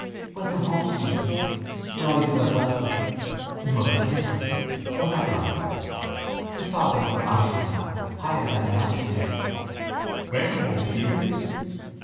Welcome home, Stephen! Noises of welcome. His mother kissed him. Was that right? His father was a marshal now: higher than a magistrate. Welcome home, Stephen!